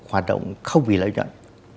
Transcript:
hoạt động không bị lợi nhuận